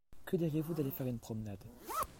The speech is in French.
Que diriez-vous d'aller faire une promenade ?